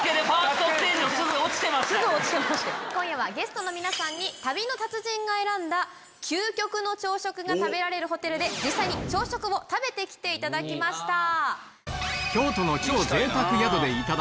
今夜はゲストの皆さんに旅の達人が選んだ究極の朝食が食べられるホテルで実際に朝食を食べて来ていただきました。